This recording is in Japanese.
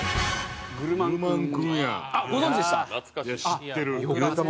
知ってる。